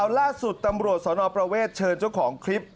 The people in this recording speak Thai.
ล่าสุดตำรวจสนประเวทเชิญเจ้าของคลิป